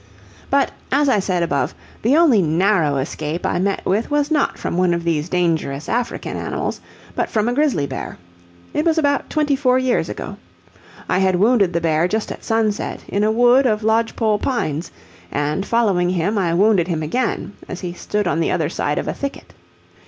But, as I said above, the only narrow escape I met with was not from one of these dangerous African animals, but from a grizzly bear. It was about twenty four years ago. I had wounded the bear just at sunset, in a wood of lodge pole pines, and, following him, I wounded him again, as he stood on the other side of a thicket.